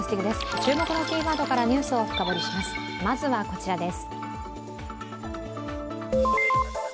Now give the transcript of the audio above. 注目のキーワードからニュースを深掘りします。